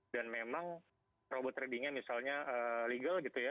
dan memang robot tradingnya misalnya legal gitu ya